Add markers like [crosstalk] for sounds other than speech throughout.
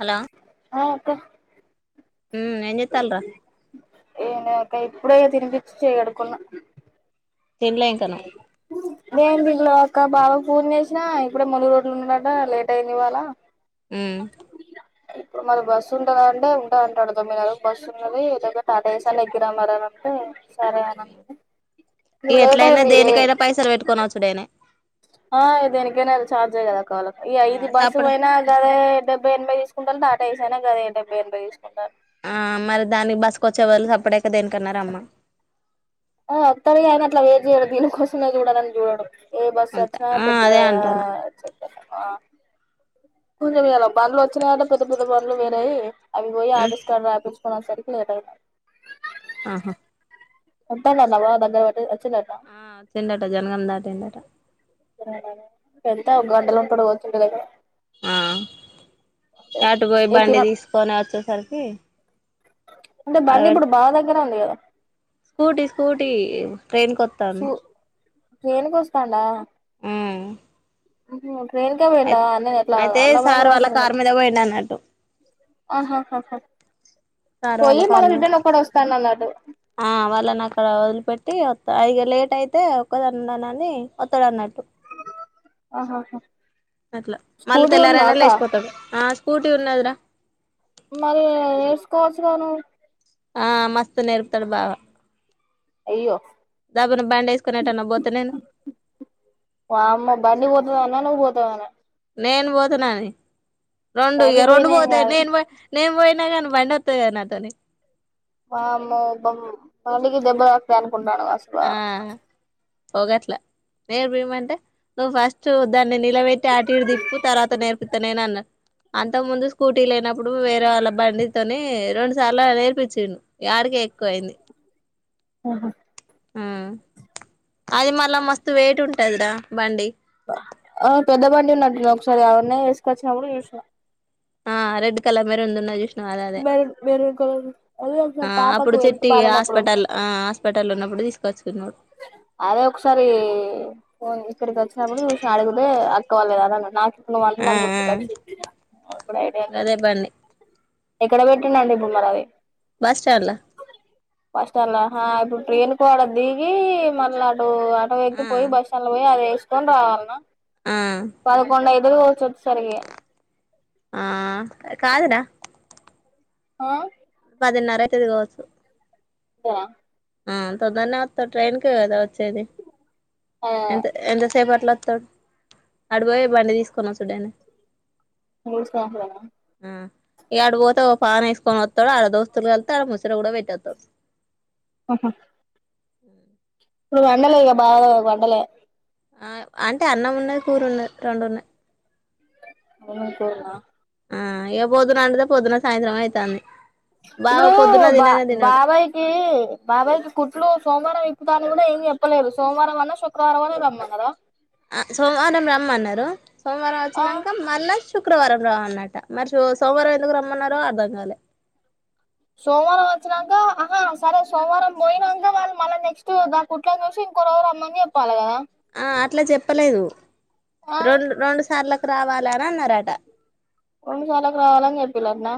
hello ఆ [inaudible] హుమ్ ఎమ్చేత్తాల్రా ఏనకా ఇప్పుడేగా తినీపిచ్చి చేయికడుకున్న తిన్లే ఇంకను నేను పిల్లో అక్క బావా ఫోన్ చేసినా ఇప్పుడే ములుగు రోడ్ల ఉన్నాడట లేట్ అయింది ఇవాళ ఉమ్ ఇప్పుడు మన బస్సు ఉంటదా అంటే ఉంటది అంటడు తొమ్మిది నరకు బస్సు ఉంటది లేకపోతే టాటా యిస్ ఎక్కిరా మారే అంటే సరే అను నువ్వు లే ఐనా దేనికైనా పైసలు పెట్టుకొని వచ్చుడేనై ఆ దేనికైనా చార్జ్ కదా కావాల ఇగ ఆ ఇది బస్సు సప్పుడు అయినా కదే డెబ్బై ఎనిమ్ తీసుకుంటళు టాటా యిసైనా గదె డెబ్బై ఎనైబై తీస్ ఆ మరి దానికి బస్సుకు వచ్చే బదుల్ సప్పుడేక దేనికన్నారమ్మన్ ఆ వత్తడు కాని అట్లా వేట్చేయడు దీనికోసమే చూడాలని చూడడు ఏ బస్ అంతే వచ్చిన ఆ పెద్దగా అదే అంటానా ఆ కొంచెం ఇయాలా బండ్లు వచ్చినయాటా పెద్ద పెద్ద బండ్లు పోయినయ్ అవి పోయి ఉమ్ ఆపీస్ కాడ రాపిస్ పోన సరికిలే ఎదై ఆహా ఉంటంట నవా దగ్గరవాట్టు ఆ వచ్చిండట జనగాం దాటిండట పెంత ఒక గంటలప్పుడు [unintelligible] ఆ అటు పోయ ఇగ తిన బండి తీసుకొని అచ్చేసరికి అంటే బండి ఇప్పుడు బావ దగ్గరే ఉంది గదా స్కూటీ స్కూటీ ట్రైన్ కొత్తాం ట్రేన్కి వస్తాండా ఉహు ట్రైన్ కే పోయిండ అయి అన్న ఎట్లా అయితే అన్నమయి సార్ కోస వాళ్ళ అనుకో కారు మీద పోయిండు అన్నట్టు సార్ వాళ్ళ కార్ ఆ వాళ్ళని అక్కడ వదిలిపెట్టి అయిగ లేట్ అయితే ఒక్కదని ఉన్నానని ఒత్తాడు అన్నట్టు ఆహోహ అట్లా మళ్ళీ తెల్లారనా లేచిపోతాడు స్కుటీ ఉన్నదరా మరి నేర్చుకోవచ్చు గాను ఆ మస్త్ నేర్పుతాడు బావ అయ్యో దాబన బ్యాండ్ వేసుకునెటన్న పోతే నేను నువ్ అన్న నువు పోతావన నేను పోతున్నాను రెండు బండి ఇగ రెండు పోయినేం పోతాయి కాదు నేను నేను పో న గాని బండోత్తది గదా నాతోని వామ్మో బం బండికి దెబ్బ దాకుతాయి అనుకుంట నడవసావా ఆ పోగట్లా నేర్పియమంటే నువ్వు ఫస్ట్ దాన్ని న్ని నిలవెట్టి ఆటు ఇటు దిప్పు తర్వాత నేర్పుతా నేను అన్ను అంత ముందు స్కూటీ లేనప్పుడు వేరే వాళ్ళ బండితోని రెండు సార్లు నేర్పించిడు ఆడికే ఎక్కువ అయింది ఊ అది మ ల మస్తు వెయిట్ ఉంటాందిరా బండి సర అవన్నీ ఏసకచ్చినపుడు ఇశిరా ఆ రెడ్ కలర్ మెరూన్ ది ఉన్నది చు అద అదే మెరూన్ మెరూన్ కలర్ అదే ఆ ఒకసారి పాపకు అప్పుడు హెల్త్ చెట్టి బాలేనప్పుడు హాస్పిటల్ హాస్పిటల్ ఉన్నప్పుడు తీసుకోచ్చు అదే ఒకసారి ఇక్కడికి వచ్చినప్పుడు చూసినా అడిగుతే అక్క వాళ్లేదఅని నా నువ్వంటే ఆ నాకు ఆ గుర్తుకచ్చింది ఫ్రైడే అని గదే బండి ఎక్కడ పెట్టిండండి బొమ్మలు అవి బస్ స్టాండ్లా బస్టాండ్ల హ ఇప్పుడు ట్రైన్ కాడ ది గి మళ్ళ ఆటో వ ఆ ఎక్కి పోయి బస్ స్టాండ్ లో పోయి అవి కోన్ రావాల్నా ఆ పదకొండయి ఇద్దరు వచ్చసరికి ఆ కాదరా ఆ పదిన్నర అయితే దిగవచ్చు ఆ ఆ తొందరనే ట్రైన్ కె కదా వచ్చేది ఎంత ఎంత సేపట్లో అడిపోయి బండి తీసుకొని వచూడేనా మూడు సంవత్సరాల ఇ ఆడ పోతే ఓ పాన్ వేసుకొని వస్తాడు ఆడ దోస్తులు కళ్తే ఆడ ముచ్చట కూడా పెట్టోత్త ఓహో అ ఇప్పు వండల బాగా వండలే అంటే అన్నం ఉన్నది కూరున్నది రెండున్నాయి అన్నం కూరన ఆ ఏ పొద్దున అందితే పొద్దున సాయంత్రం అయితాంది బావ ఇప్పుడు పొద్దున బా తిననే తినడు బాబాయికి బాబాయ్కి కుట్లు సోమవారం ఇప్పుతా కూడా ఏం చెప్పలేరు సోమవారం అన్నా శుక్రవారం అన్నా రమ్మన్నరా ఆ సోమవారం రమ్మమన్నారు సోమవారం ఆ వచ్చినాక మళ్ల శుక్రవారం రామన్నట్ట మరి సో సోమవారం ఎందుకు రమ్మన్నారో అర్ధం కాలే సోమవారం వచ్చినాంక అహ సరే సోమవారం పోయినాంక వాళ్ళు మళ్ళీ నెక్స్ట్ దా కుట్లను చూసి ఇంకొ రోజు రమ్మని చెప్పాలి కదా ఆ అట్లా చెప్పలేదు ఆ రెండు రెండు సార్లకు రావా లారా అన్నారాట రొండు సార్లకు రావాలని చెప్పిల్ నటన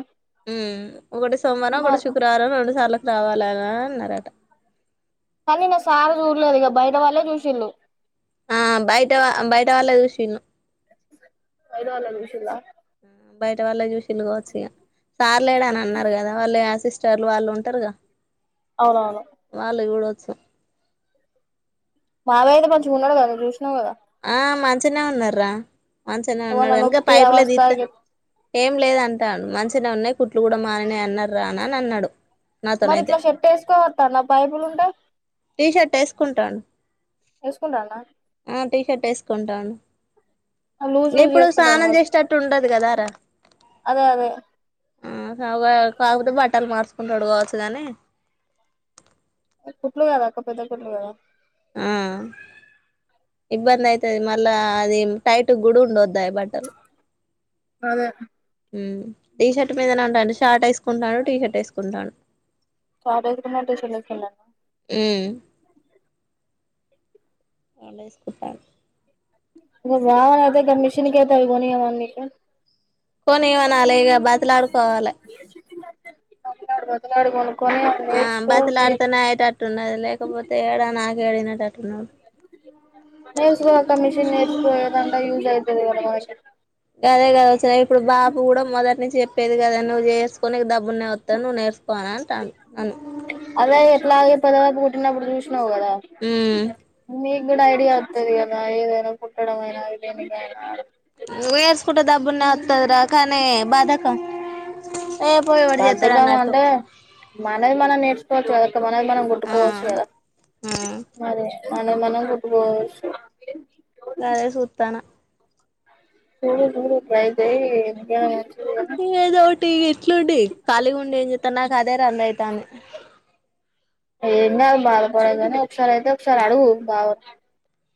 హ్మ్ ఒకటి సోమవారం ఒకటి శుక్రవారం రెండు సార్లు రావాలన అన్నారట కానీ నా సార్ చూడలేదు ఇక బయట వాళ్ళే చూసిళ్ళు ఆ బయట బయట వాళ్ళ చూసిల్లు బయట వాళ్ళే చూసిల్ల బయట వాల్లే చూసి చూసీల్లుగావచ్చు ఇ సార్ లేడ అని అన్నారు కదా వాళ్ళు ఆసిస్ చార్లు వాళ్ళు ఉంటారుగా అవునవును వాల్లుగూడ స మావయ్య ఐతే మంచిగా ఉన్నాడు కద నువు చూసిన్వు కదా ఆ మంచినే ఉన్నార్ర మంచిగానే ఏమన్నా ఉన్నాడు కనుక నొప్పి పైపులే అవస్థ దిత్తే ఏం లేద అంటాండు మంచిన ఉన్నాయి కుట్లు కూడా మానినాయి అన్నారు రానా అని అన్నాడు మరి నాతోనైతే ఇట్లా షర్ట్ వేసుకోవద్దాన్న పైపులు ఉంటే టీ షర్ట్ వేసుకుంటాండు వేసుకుండండ ఆ టీ షర్ట్ వేసుకుంటాండు లూజ్ లూజ్ ఇప్పుడు వేసుకుంటాను స్నానం కావచ్చు చేసేనట్టు ఉండదు కదా రా అదే అదే అవ్ అ కాకపోతే బట్టలు మార్చుకుంటాడు కావచ్చు గానీ కుట్లు కదా అక్క పెద్ద కుట్లు గదా ఆ ఇబ్బంది అయితది మళ్ళా అది టైట్ గుడా ఉండొద్దాయి బట్టలు అదే హ టీషర్ట్ మీదనా ఉండే అన్ని షార్ట్ వేసుకుంటాండు టీ షర్ట్ వేసుకుంటాండు కాాలేజ్కున్నట చల్ సన్నా హు కాలేజీ కి కూడా ఇ గావనఐతే క మీషన్ కేత గగవి కొనియ్యవ మెషిన్ కొనిమనాలే ఇగ బతిమలాడుకోవాలి బతిమలాడు బతిమలడు కో కొని అ ఆ నేర్చుకో బతిలాడితేనే అయేటట్టున్నది లేకపోతే ఏడా నాకు ఏడినటట్టున్నాడు నేర్చుకోక్క మిషన్ నేర్చుకో ఏదంట్లో యూజ్ అవుతుది కదా మనకి అదే కదా వచ్చే ఇప్పుడు బాబు కూడా మొదటి నుంచి చెప్పేది కదా నువ్వు చేసుకో కొనేకి డబ్బున్నయి వస్తా నువ్వు నేర్చుకో అని అంటాండు నన్ నిన్నప్పుడు చూసిన చూసినవ్ కదా నీక్ నీకూడా ఐడియా వస్తది కదా ఏదైనా కుుట్టడంమయినా ఎధైన నేర్చ్కుంట డబ్బన్నత్తదరా కనీ బాద స బద్దగామ అంటే మనది మనం నేర్చుకోవచ్చు కదా ఇక మనది మనం ఆ కొట్టుకోవచ్చు కదా ఆ మరి మనం మనది కుట్టుకోవచ్చు ఇగాదే సూతానా చూడు చూడు ఇకైతే ఇకనే ఏదో ఒకటి ఎట్లుండి ఖాళీగా ఉండి ఏం చేత్తాను నాకు అదే రంది అయితాంది ఏంటి అ బాధపడేది కానీ ఒకసారి అయితే ఒకసారి అడుగు బాగు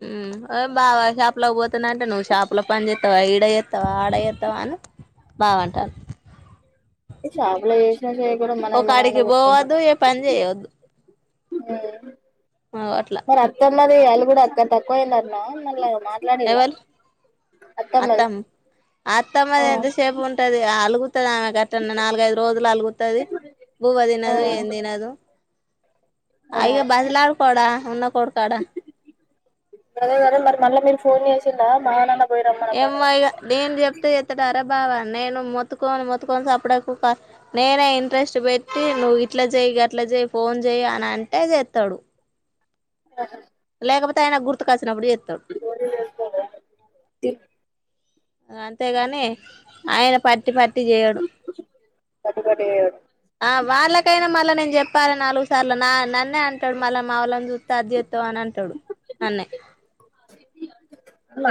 హు అదే బాబాయ్ షాప్ లోకి పోతే వస్తున్నాంటే నువ్వు షాపులో పని చేస్తావా ఈడయేస్తావా ఆడయేస్తావా అని బాగుంటారు ఇక షాప్ లో చేసి ఒక అడికి పోవద్దు ఏ పని చేయద్దు అ అ అట్లా మరి వాళ్ళు కూడా అక్క తక్కువయిన అన్న మళ్ళ మాట్లాడిలా ఎవర్లు అత్తమ్మది అత్తమ్ ఆ అత్తమ్మది ఎంతసేపు ఉంటది అలుగు అత్తనా ఆమె గట్టన్నా నాలుగైదు రోజులు అలుగుతుది బువ్వ ఆ తినదు ఏం తినదు ఆ అయ్యో ఇగ బ్రతుమలాడుకోడా ఉన్నక్ ఫోడకాడా బ్రదర్ గదే మరి మళ్ళీ మీరు ఫోన్ చేసిండా మా నాన్నకు ఎమో ఇగా నేను చెప్తే ఎత్తడ అరబ్ బావ నేను మొతుకొని మొతుకొనిప్పడకు నేనే ఇంట్రెస్ట్ పెట్టి నువ్వు ఇట్లా చెయి అట్లా చెయి ఫోన్ చెయి అని అంటే ఇగ ఎత్తడు ఆహా కాకపోతే ఆయన గుర్తుకు వస్తా ఎత్తినప్పుడు ఎత్తాడు పోయినవ్ అంతేగాని ఆయన పట్టీ పట్టీ చేయడు కట్టుబడేయడు ఆ వాళ్ళకైనా మళ్ళా నేను చెప్ పది నాళ్ళు చాల నా నన్నే అంటాడు మళ్ళా మా వాళ్ళని చూస్త అది చెస్తాం అని అంటాడు నన్నే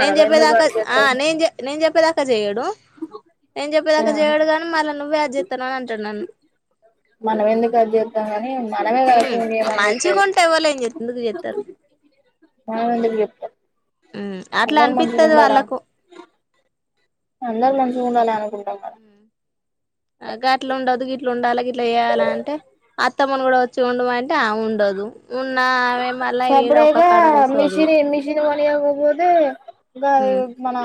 నేను ఎందుకు చెప్పేదాకా ఖర్చు ఆ చేత్తం నేను నేను చెప్పేదాక ఇక చేయడు నేను ఆ చెప్పేదాక అది చేయడు కాని మళ్ళ నువ్వే అది చెస్తాను అని అంటాడు నన్ను మనం ఎందుకు ఖర్చు చేత్తం గాని మనమే కదా ఫోన్ హు చేయమని మంచిగా చెప్పేది ఉంటాయి వాళ్ళు ఏం ఎందుకు చెస్తారు మనం ఎందుకు చెప్తాం హు అట్లా అందరు మంచిగా అనిపిస్తది ఉండాలని వాళ్ళకు అందరు మంచిగా ఉండాలి అనుకుంటాం కదా ఆ గట్లుండదు గిట్లుండాలే అట్లా చేయాలంటే త్తమ కూడా వచ్చి ఉండమంటే ఆ ఉండదు ఉన్న ఆమె మళ్ళా ఈడ ఒక్క సప్పుడెకా కాడ కూసోదు మిషిని మిషన్ కొనియకపోతే గా యిగ ఉమ్ మన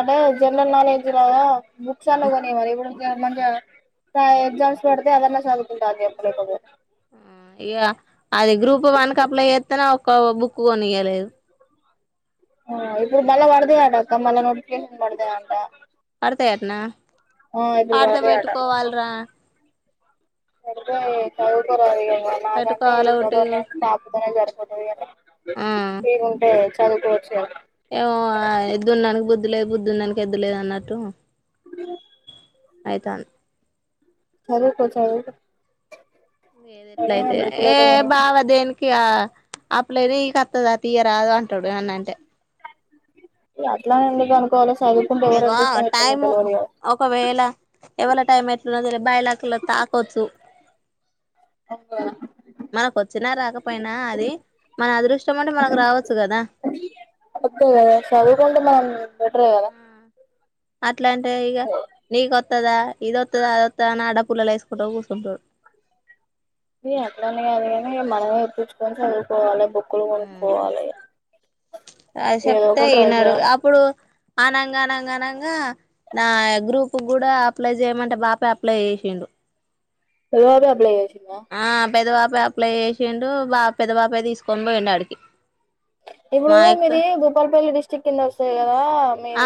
అదే జనరల్ నాలెడ్జ్ లాగా బుక్స్ అన్న కొనియ్యవా అది కూడా [unintelligible] గా ఎగ్జామ్స్ పెడితే అదన్న చదువుకుంటది అని సేప్పు లేకపోతే ఇగ అది గ్రూప్ వన్ కప్పుల చేతనే ఒక ఓ బుక్ కొనియ్యలేదు ఆ ఇప్పుడు మల్ల పడతాయట అక్క మల్ల నోటిఫికేషన్లు పడతాయంట పడతాయటన ఆ ఇప్పుడు పడతయట పడితే చదువుకోరాదిగా నాకంటే పెట్టుకోవాలి ఒకటి ఈమతోనే పాపతోనే సరిపోద్ ఆ [unintelligible] ఫ్రీ గుంటే చదువుకోవచ్చు కదా ఏమో ఎద్దు ఉన్నోనికి బుద్ధి లేదు బుద్ధి ఉన్నోనికి ఎద్దు లేదు అన్నట్టు అయితాను సరే పో చదువుకో వేర నేనేం ఎట్లయితే బుక్కులు ఏ అయితే కొనియను బావ దేనికి అప్పులని సత్తదా తీయరాదు అంటడు ఏమన్నా అంటే ఇగ అట్లా అని ఎందుకు అనుకోవాలి ఇగో టైము ఒకవేళ ఎవల టైం ఎట్లున్నదో తెల్వదు బై లక్కులో తాకోచ్చు మనకు వచ్చినా రాకపోయినా అది మన అదృష్టం ఉంటే మనకు రావచ్చు కదా బెటర్ కదా అట్లా అంటే ఇగ నీకొత్త ఓత్తదా ఇదొత్తదా అదొత్తదా అని అడ్డ పుల్లలు యేస్కుంట కూసుంటడు ఇ అట్లానీ కాదు కాని మనమే ఇప్పించుకొని చదువుకోవాలి బుక్కులు కొనుక్కోవాలి ఆ చెప్తే వినరు అప్పుడు అనంగా అనంగా అనంగా నా గ్రూప్ కూడా అప్లై చేయమంటే బాపే అప్లై చేసిండు పెద్దబాపే అప్లై చేసిండు ఆ పెద్దబాపు అప్లై చేసిండు బా పెద్ద బాపే తీసుకొని పోయిండు ఆడికి ఇప్పుడు మా యక్క మీది భూపల్పల్లి డిస్ చికెన్ దొసే కద్ ఆ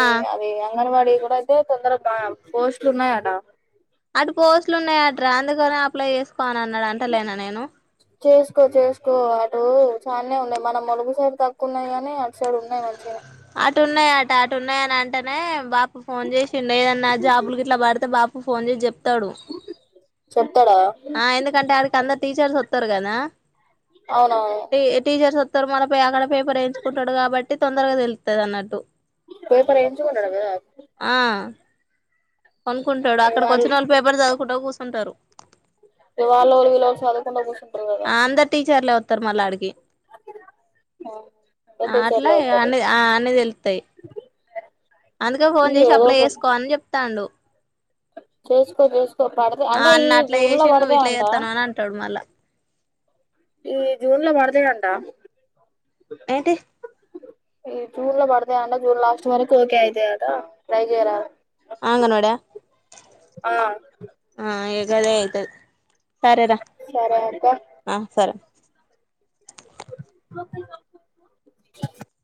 ఆ అది అంగన్వడి కూడా అయితే తొందరగా బా పోస్టులు ఉన్నాయ్ ఆడ ట్రాందు కని అప్లై చేస్ చేసుకో చేసుకో అటూ చానే ఉన్నాయి మన ములుగు సైడ్ తక్కు ఉన్నాయి కాని అటు సైడ్ ఉన్నాయి మంచిగనే అటు ఉన్నాయి అట్ అటు ఉన్నాయని అంటేనే బాప ఫోన్ చేసిండ ఏదన్నా జాబులు గిట్ల పడితే బాప ఫోన్ చేసి చెప్తాడు చెప్తాడా ఆ ఎందుకంటే ఆడికి అందరు టీచర్స్ వత్తరు కదా అవునవును టీ టీచర్స్ ఒత్ ఇరు మనపై అక్కడ పేపర్ వేయించుకుంటాడు కాబట్టి తొందరగా తెలుత్తది అన్నట్టు పేపర్ ఎయించి కోంటడ్ కదా కొనుకుంటాడు అక్కడికి వచ్చిన వాళ్ళు పేపర్ చదువుకుంటా కూర్చుంటరు ఇ వాళ్ళ ఒలిగలువగ్క్ లో చదుకుంట కుసుంటరు టారు కదా చర్లే ఒత్తరు మళ్ళాడికి ఆ అట్లా టీచర్లు వస్తారు అన్ని ఆ అన్ని తెలుతాయి అందుకే ఫోన్ ఇది చేసి అప్లై చేసుకో అని చెప్తాండు చేస్కో జేస్కో ఆ అన్న అట్లా చేేసి నువ్వు ఇట్ల చేత్తన్నావ్ అనీ అంటాడునావ అని అంటాడు మళ్ళా ఈ జూన్ల మర్దేడంట అయితే ఈ జూన్ లో పడతాయంట జూన్ లాస్ట్ వరకు ఓకే అవుతాయ్ కదా నైజరి ఆంగనోడ చేయరాదు గదే అయితది సరే రా సరే అక్క ఆ సరే